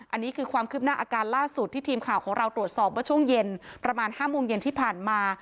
อันนี้คือความคืบหน้าอาการล่าสุดที่ทีมข่าวของเราตรวจสอบเมื่อช่วงเย็นประมาณ๕โมงเย็นที่ผ่านมา